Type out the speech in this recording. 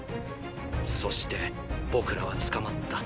そして僕らは捕まった。